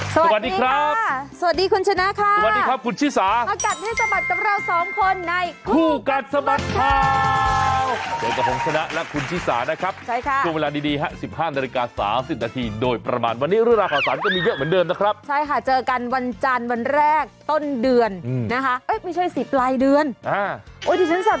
สวัสดีครับสวัสดีครับสวัสดีครับสวัสดีครับสวัสดีครับสวัสดีครับ